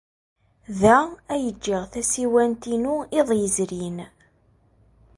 Da ay jjiɣ tasiwant-inu iḍ yezrin.